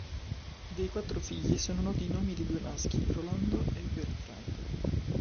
Dei quattro figli sono noti i nomi dei due maschi: Rolando e Bertrando..